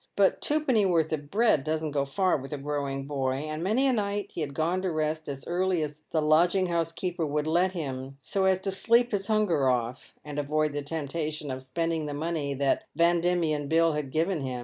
But two pennyworth of bread doesn't go far with a growing boy, and many a night he had gone to rest as early as the lodging house keeper would let him, so as to sleep his hunger off, and avoid the temptation of spending the money that Van Diemen Bill had given him.